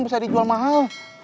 bisa dijual mahal